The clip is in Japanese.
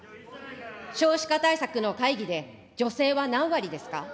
少子化対策の会議で女性は何割ですか。